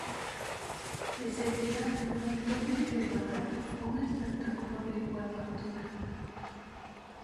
Le seguirá "Antonio y Cleopatra", un espectáculo de igual factura.